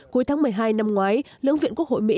cuối tháng một mươi hai năm ngoái lưỡng viện quốc hội mỹ